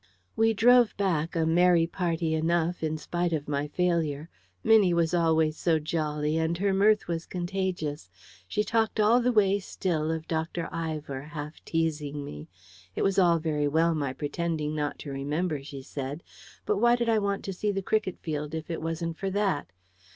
We drove back, a merry party enough, in spite of my failure. Minnie was always so jolly, and her mirth was contagious. She talked all the way still of Dr. Ivor, half teasing me. It was all very well my pretending not to remember, she said; but why did I want to see the cricket field if it wasn't for that?